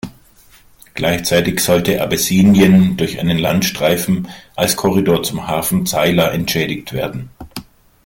Gleichzeitig sollte Abessinien durch einen Landstreifen als Korridor zum Hafen Zeila entschädigt werden.